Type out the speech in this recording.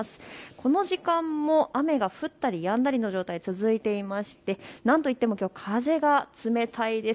この時間も雨が降ったりやんだりの状態が続いていまして、なんといってもきょう風が冷たいです。